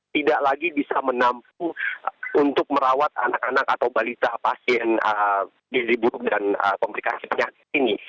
tidak lagi bisa menampung untuk merawat anak anak atau balita pasien gizi buruk dan komplikasi penyakit ini